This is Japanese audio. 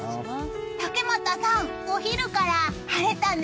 竹俣さん、お昼から晴れたね。